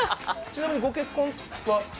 ちなみにご結婚は？